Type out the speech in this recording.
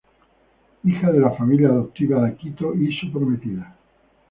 Hija de la familia adoptiva de Akito y su prometida.